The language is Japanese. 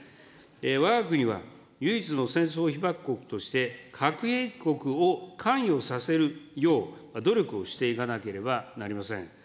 わが国は唯一の戦争被爆国として、核兵器国を関与させるよう、努力をしていかなければなりません。